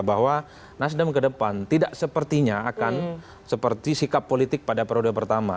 bahwa nasdem ke depan tidak sepertinya akan seperti sikap politik pada periode pertama